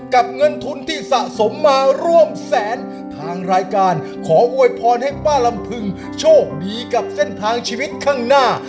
เงินทุนที่สะสมมาร่วมแสนทางรายการขออวยพรให้ป้าลำพึงโชคดีกับเส้นทางชีวิตข้างหน้า